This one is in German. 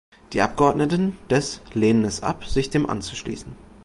Die Abgeordneten des lehnen es ab, sich dem anzuschließen.